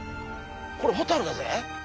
これホタルだぜ！